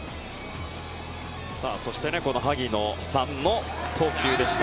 そしてこの萩野さんの投球でした。